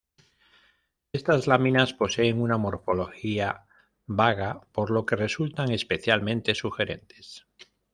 Estas láminas poseen una morfología vaga por lo que resultan especialmente sugerentes.